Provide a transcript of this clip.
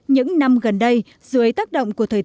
những năm gần đây dưới tác động của thuận lợi